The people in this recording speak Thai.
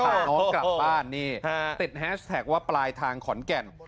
พาน้องกลับบ้านนี่ติดแฮชแท็กว่าปลายทางขอนแก่น